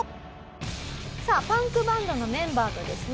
さあパンクバンドのメンバーとですね